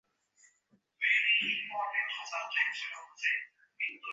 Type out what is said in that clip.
এটা তোমায় মানিয়ে নিতে শেখায়।